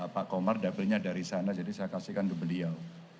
pak komar dapetnya dari sana jadi saya kasihkan ke beliau